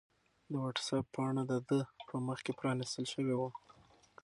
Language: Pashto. د وټس-اپ پاڼه د ده په مخ کې پرانستل شوې وه.